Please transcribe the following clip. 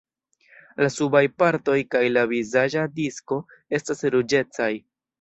La subaj partoj kaj la vizaĝa disko estas ruĝecaj.